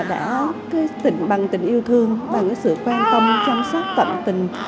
đã tỉnh bằng tình yêu thương bằng sự quan tâm chăm sóc tận tình